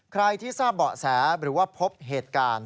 ใครที่ทราบเบาะแสหรือว่าพบเหตุการณ์